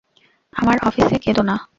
আমার অফিসে কেঁদো না।